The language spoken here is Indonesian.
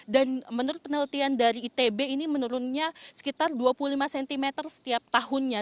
dan menurut penelitian dari itb ini menurunnya sekitar dua puluh lima cm setiap tahunnya